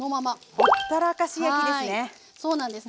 はいそうなんです。